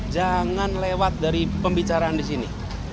jangan lewat dari pembicaraan di sini